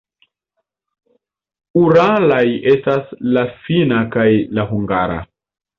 Uralaj estas la finna kaj la hungara.